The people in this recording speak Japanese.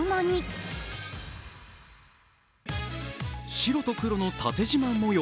白と黒の縦じま模様